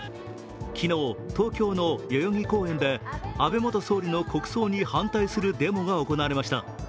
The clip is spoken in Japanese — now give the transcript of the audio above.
昨日、東京の代々木公園で安倍元総理の国葬に反対するデモが行われました。